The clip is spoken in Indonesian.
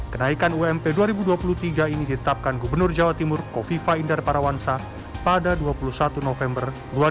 kenaikan ump dua ribu dua puluh tiga ini ditetapkan gubernur jawa timur kofifa indar parawansa pada dua puluh satu november dua ribu dua puluh